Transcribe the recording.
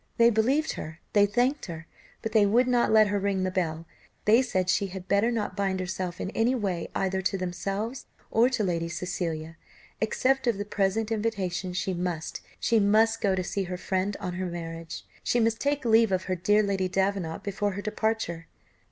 They believed her, they thanked her, but they would not let her ring the bell; they said she had better not bind herself in any way either to themselves or to Lady Cecilia. Accept of the present invitation she must she must go to see her friend on her marriage; she must take leave of her dear Lady Davenant before her departure.